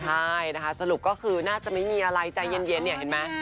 ใช่นะคะสรุปก็คือน่าจะไม่มีอะไรใจเย็นเนี่ยเห็นไหม